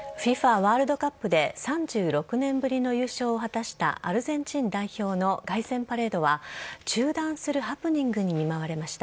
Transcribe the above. ワールドカップで３６年ぶりの優勝を果たしたアルゼンチン代表の凱旋パレードは中断するハプニングに見舞われました。